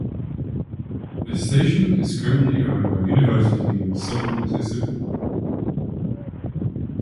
The station is currently owned by University of Southern Mississippi.